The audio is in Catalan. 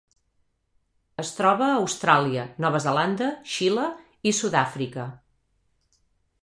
Es troba a Austràlia, Nova Zelanda, Xile i Sud-àfrica.